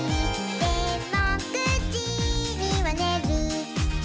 「でも９じにはねる」